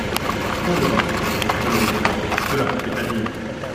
Point de vin ! Mademoiselle, cela vous plaît à dire.